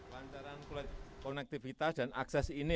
lantaran konektivitas dan akses ini